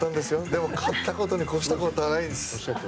でも、勝ったことに越したことはないんです。